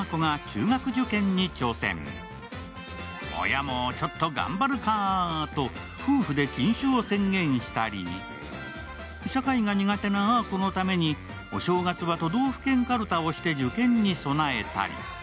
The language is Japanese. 親もちょっと頑張るかと、夫婦で禁酒を宣言したり、社会が苦手なあーこのために、お正月は都道府県カルタをして受験に備えたり。